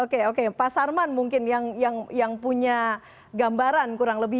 oke oke pak sarman mungkin yang punya gambaran kurang lebih